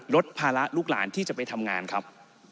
ลดภาระลูกหลานที่จะไปทำงานครับ